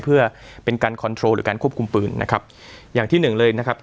เพื่อเป็นการคอนโทรลหรือการควบคุมปืนนะครับอย่างที่หนึ่งเลยนะครับ